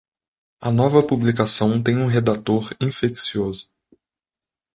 A nova publicação tem um redator infeccioso.